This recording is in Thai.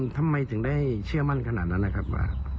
ทำไมถึงได้เชื่อมั่นขนาดนั้นนะครับว่า